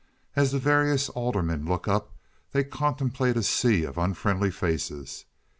As the various aldermen look up they contemplate a sea of unfriendly faces.